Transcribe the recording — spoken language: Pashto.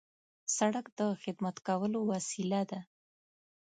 سړک د خدمت کولو وسیله ده.